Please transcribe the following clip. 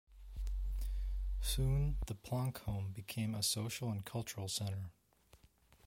Soon the Planck home became a social and cultural center.